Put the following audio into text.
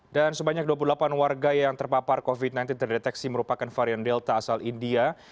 dan sebanyak dua puluh delapan warga yang terpapar covid sembilan belas terdeteksi merupakan varian delta asal india